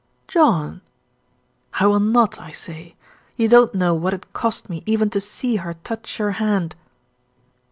"John!" "I will not, I say. You don't know what it cost me even to see her touch your hand."